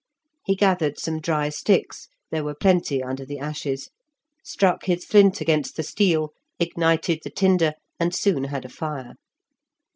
He gathered some dry sticks (there were plenty under the ashes), struck his flint against the steel, ignited the tinder, and soon had a fire.